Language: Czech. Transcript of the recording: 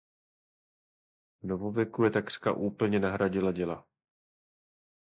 V novověku je takřka úplně nahradila děla.